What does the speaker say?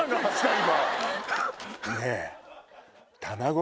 今。